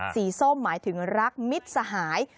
ส้มหมายถึงรักมิตรสหาย